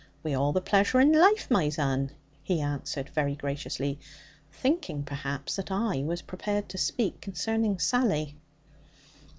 'Wi' all the plaisure in laife, my zon,' he answered very graciously, thinking perhaps that I was prepared to speak concerning Sally.